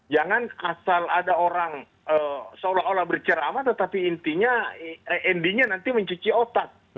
jangan asal ada orang seolah olah bercerama tetapi intinya endingnya nanti mencuci otak